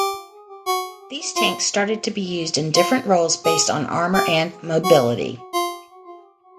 These tanks started to be used in different roles based on armour and mobility.